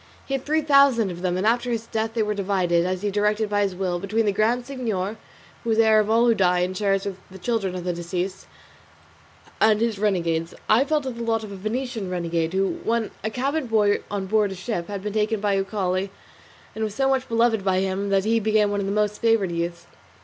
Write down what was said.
He had three thousand of them, and after his death they were divided, as he directed by his will, between the Grand Signor (who is heir of all who die and shares with the children of the deceased) and his renegades. I fell to the lot of a Venetian renegade who, when a cabin boy on board a ship, had been taken by Uchali and was so much beloved by him that he became one of his most favoured youths.